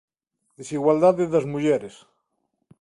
Desigualdade das mulleres